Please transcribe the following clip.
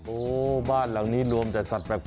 โอ้โหบ้านหลังนี้รวมแต่สัตวแปลก